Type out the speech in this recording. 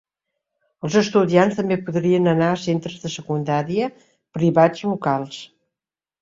Els estudiants també podrien anar a centres de secundària privats locals.